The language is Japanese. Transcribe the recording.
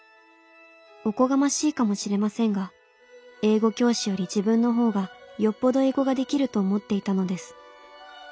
おこがましいかもしれませんが英語教師より自分の方がよっぽど英語ができると思っていたのです。